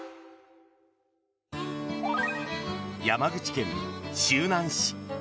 山口県周南市。